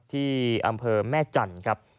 ที่อำเภอแม่จันทร์ครับ